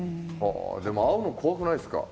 でも会うのが怖くないですか？